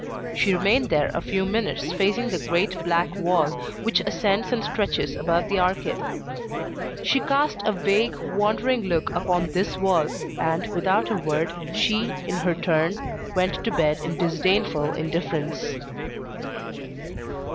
She remained there a few minutes facing the great black wall, which ascends and stretches above the arcade. She cast a vague wandering look upon this wall, and, without a word she, in her turn, went to bed in disdainful indifference.